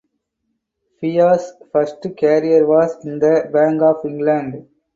Fea’s first career was in the Bank of England.